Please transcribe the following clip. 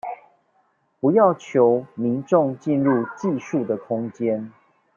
不要求民眾進入技術的空間